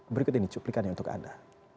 berikut ini cuplikannya untuk anda